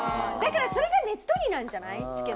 だからそれがねっとりなんじゃない？